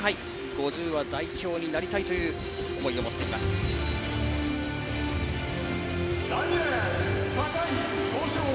５０は代表になりたいという思いを持っています、中村。